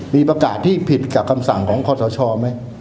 มีประกาศที่ผิดกับคำสั่งของคอสชไหม